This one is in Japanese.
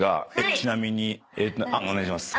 「ちなみにお願いします」